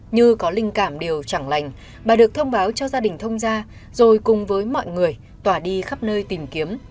như có linh cảm đều chẳng lành bà được thông báo cho gia đình thông gia rồi cùng với mọi người tỏa đi khắp nơi tìm kiếm